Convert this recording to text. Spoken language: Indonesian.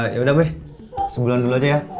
ya udah deh sebulan dulu aja ya